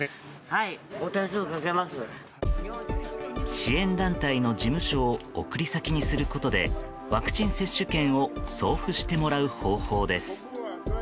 支援団体の事務所を送り先にすることでワクチン接種券を送付してもらう方法です。